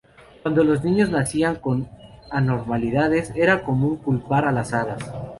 Cuando los niños nacían con anormalidades, era común culpar a las hadas.